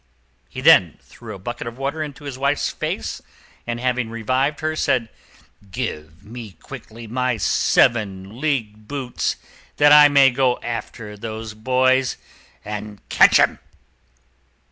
He then threw a bucket of water into his wife's face, and, having revived her, said, "Give me quickly my seven league boots, that I may go after those boys and catch them."